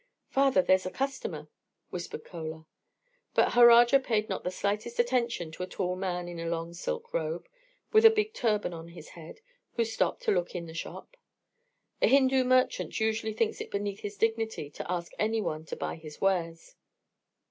"Father, there's a customer," whispered Chola, but Harajar paid not the slightest attention to a tall man in a long silk robe, with a big turban on his head, who stopped to look in the shop. A Hindu merchant usually thinks it beneath his dignity to ask any one to buy his wares.